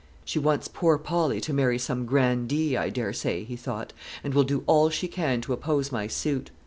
"She wants poor Polly to marry some grandee, I dare say," he thought, "and will do all she can to oppose my suit.